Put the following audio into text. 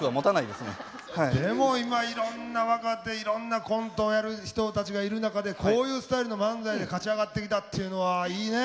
でも今いろんな若手いろんなコントをやる人たちがいる中でこういうスタイルの漫才で勝ち上がってきたっていうのはいいね。